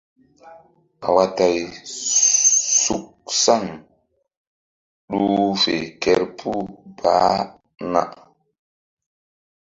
Mbaytay suk saŋ ɗuh fe kerpuh baah na.